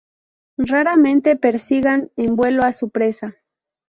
Raramente persigan en vuelo a su presa.